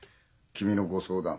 君のご相談。